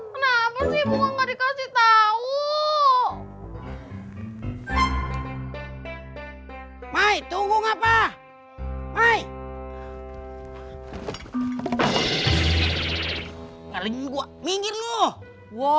kenapa sih emak gak dikasih tahu